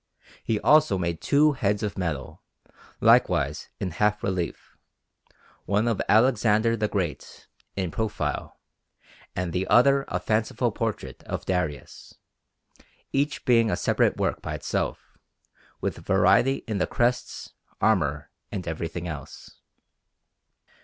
He also made two heads of metal, likewise in half relief; one of Alexander the Great, in profile, and the other a fanciful portrait of Darius; each being a separate work by itself, with variety in the crests, armour, and everything else.